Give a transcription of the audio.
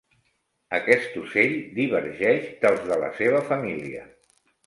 Aquest ocell divergeix dels de la seva família.